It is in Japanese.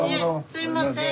すいません。